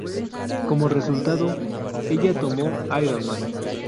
Como resultado, ella tomó Iron Man.